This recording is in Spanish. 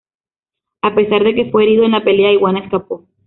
A pesar de que fue herido en la pelea, Iguana escapó.